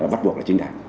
bắt buộc là chính đảng